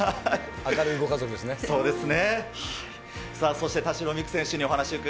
明るいご家族ですね。